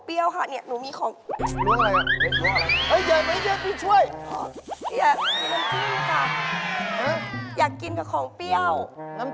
เอาให้เขานั่ง